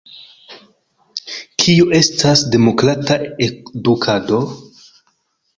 Kio estas Demokrata Edukado?